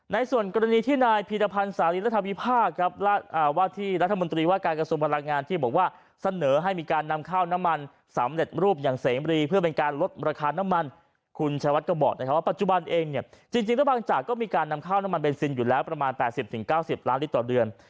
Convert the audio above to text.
ในส่วนคุณชายวัทย์บอกว่าปัจจุบันเองบางจากก็มีการนำเข้าน้ำมันเบนซินอยู่แล้วประมาณ๘๐๙๐ล้านลิตรต่อเดือน